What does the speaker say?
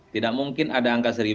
tidak mungkin ada angka